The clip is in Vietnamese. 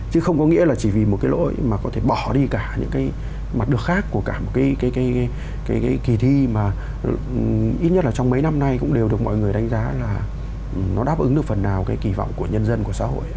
chứ không có nghĩa là chỉ vì một cái lỗi mà có thể bỏ đi cả những cái mặt được khác của cả một cái kỳ thi mà ít nhất là trong mấy năm nay cũng đều được mọi người đánh giá là nó đáp ứng được phần nào cái kỳ vọng của nhân dân của xã hội